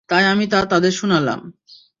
তাই আমি তা তাদের শুনালাম।